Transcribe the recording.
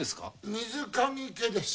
水上家です。